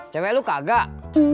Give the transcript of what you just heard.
cewek lu kagak